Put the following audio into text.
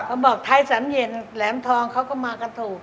เขาบอกไทยสันเย็นแหลมทองเขาก็มากันถูก